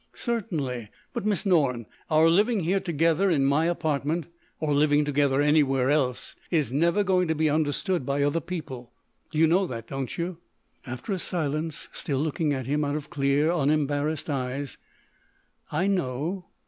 "Certainly. But, Miss Norne, our living here together, in my apartment—or living together anywhere else—is never going to be understood by other people. You know that, don't you?" After a silence, still looking at him out of clear unembarrassed eyes: "I know....